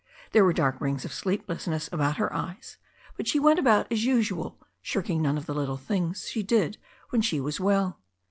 There were dark rings of sleeplessness about her eyes, but she went about as usual, shirking none of the little things she did when she was well.